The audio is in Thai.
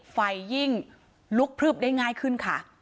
ยิ่งลุกพลึบได้ง่ายขึ้นค่ะ